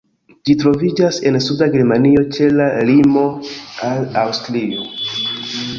Ĝi troviĝas en suda Germanio, ĉe la limo al Aŭstrio.